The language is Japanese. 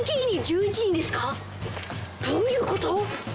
どういうこと？